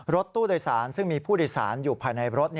รถตู้โดยสารซึ่งมีผู้โดยสารอยู่ภายในรถ